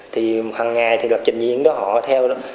thì hằng ngày thì gặp trình diễn đó họ theo đó